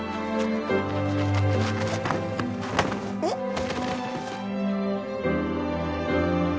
えっ